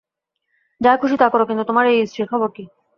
যা খুশি তা কর কিন্তু তোমার এই স্ত্রীর খবর কি?